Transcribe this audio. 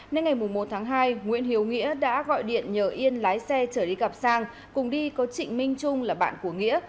nên ngày một tháng hai nguyễn hiếu nghĩa đã gọi điện nhờ yên lái xe chở đi gặp sang cùng đi có trịnh minh trung là bạn của nghĩa